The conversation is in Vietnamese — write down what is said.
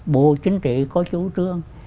bộ chính trị có chủ trương